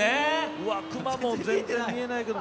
うわくまモン全然見えないけど。